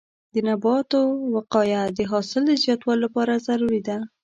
د نباتو وقایه د حاصل د زیاتوالي لپاره ضروري ده.